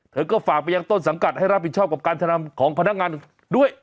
เธอก็ฝากไปยังต้นสังกัดให้รับผิดชอบกับการกระทำของพนักงานด้วย